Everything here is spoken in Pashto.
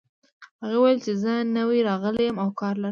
هغې وویل چې زه نوی راغلې یم او کار لرم